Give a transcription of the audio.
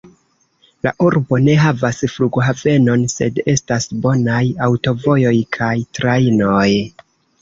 La urbo ne havas flughavenon, sed estas bonaj aŭtovojoj kaj trajnoj.